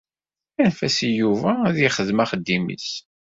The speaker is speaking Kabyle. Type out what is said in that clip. Anef-as i Yuba ad ixdem axeddim-is.